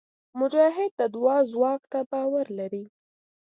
مجاهد د دعا ځواک ته باور لري.